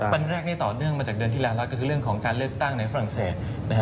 ปัญหาแรกนี้ต่อเนื่องมาจากเดือนที่แล้วแล้วก็คือเรื่องของการเลือกตั้งในฝรั่งเศส